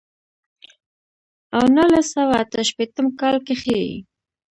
او نولس سوه اتۀ شپېتم کال کښې ئې